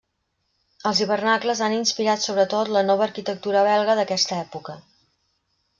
Els hivernacles han inspirat sobretot la nova arquitectura belga d'aquesta època.